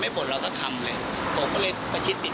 แต่ถ้าอยากจะตีเขาก็ไม่ได้อย่างนี้หรอก